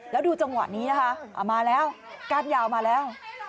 แล้วดูจังหวะนี้นะคะมาแล้วก้านยาวมาแล้ว